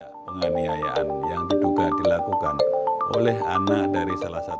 penganiayaan yang diduga dilakukan oleh anak dari salah satu